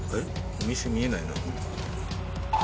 お店見えないな。